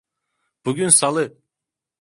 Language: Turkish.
Bugün salı.